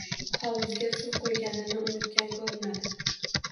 Hovuzga suv qoʻyganini unutgan koʻrinadi.